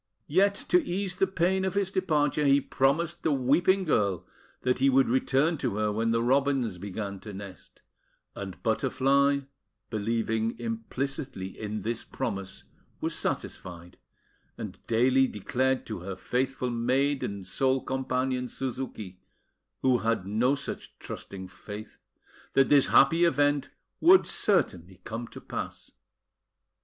Yet to ease the pain of his departure, he promised the weeping girl that he would return to her when the robins began to nest; and Butterfly, believing implicitly in this promise, was satisfied, and daily declared to her faithful maid and sole companion, Suzuki, who had no such trusting faith, that this happy event would certainly come to pass.